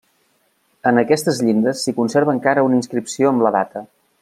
En aquestes llindes s'hi conserva encara una inscripció amb la data.